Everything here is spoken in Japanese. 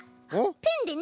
ペンでね